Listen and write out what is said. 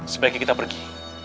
sebaiknya kita pergi